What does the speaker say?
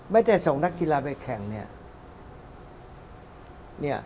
ไม่ใช่ส่งนักกีฬาไปแข่งเนี่ย